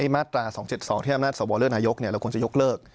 มาตรา๒๗๒ที่อำนาจสวเลือกนายกเราควรจะยกเลิก